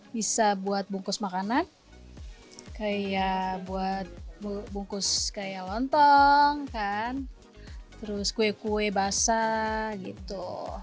bisa buat bungkus makanan kayak buat bungkus kayak lontong kan terus kue kue basah gitu